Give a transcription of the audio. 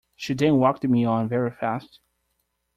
She then walked me on very fast.